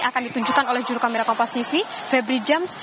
akan ditunjukkan oleh jurnalis kompas tv febri jams